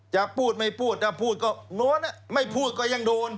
จะพูดไม่พูดถ้าพูดก็โน้นไม่พูดก็ยังโดน